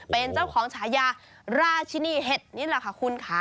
เป็นเจ้าของฉายาราชินีเห็ดนี่แหละค่ะคุณค่ะ